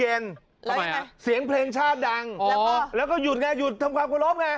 แล้วยังไงเสียงเพลงชาติดังอ๋อแล้วก็หยุดไงหยุดทำกลับกระโลกไง